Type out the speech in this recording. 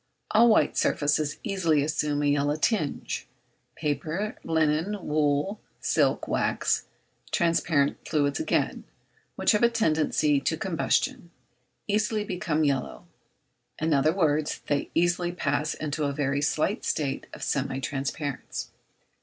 All white surfaces easily assume a yellow tinge; paper, linen, wool, silk, wax: transparent fluids again, which have a tendency to combustion, easily become yellow; in other words they easily pass into a very slight state of semi transparence.